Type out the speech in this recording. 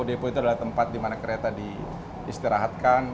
depo itu adalah tempat dimana kereta diistirahatkan